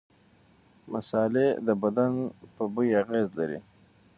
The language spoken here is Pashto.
مصالحې د بدن په بوی اغېزه لري.